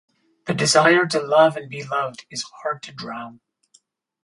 The desire to love and be loved is hard to drown.